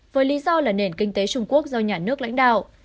với lý do là nền kinh tế trung quốc do nhà nước lãnh đạo